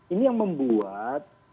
ini yang membuat